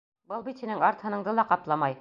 Был бит һинең арт һыныңды ла ҡапламай!